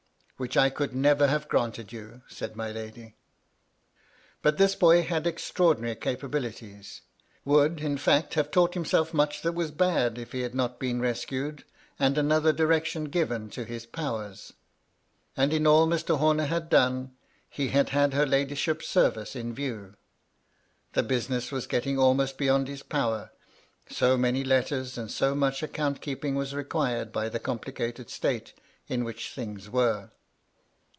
Which I could never have granted you,' said my lady. MY LADY LUDLOW. 201 But this boy had extraordinary capabilities ; would, in fact, have taught himself much that was bad, if he not been rescued, and another direction given to his powers. And in all Mr. Homer had done, he had had her ladyship's service in view. The business was getting almost beyond his power, so many letters and so much account keeping was required by the compli cated state in which things were.